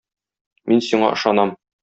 Мин сиңа ышанам.